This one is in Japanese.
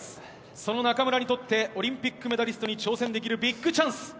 その中村にとって、オリンピックメダリストに挑戦できるビッグチャンス。